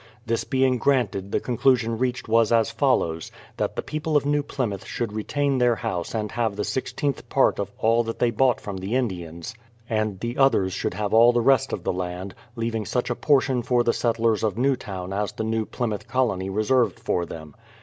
This being granted the conclusion reached was as follows : that the people of New Plymouth should retain their house and have the i6th part of all that they bought from the Indians; and the others should have all the rest of the land, leaving such a portion for the settlers of Newtown as the New Plymouth colony reserved for them.